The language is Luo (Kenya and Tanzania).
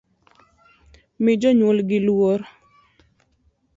Mi jonywolgi luorr